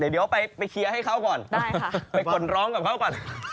เดี๋ยวไปเคลียร์ให้เขาก่อนไปกดร้องกับเขาก่อน